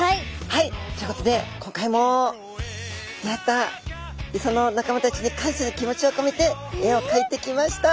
はいということで今回も出会った磯の仲間たちに感謝の気持ちをこめて絵をかいてきました。